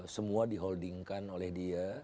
semua diholdingkan oleh dia